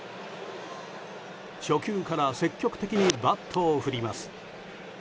初球から積極的にバットを振ります。